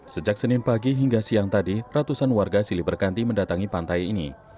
sejak senin pagi hingga siang tadi ratusan warga silih berganti mendatangi pantai ini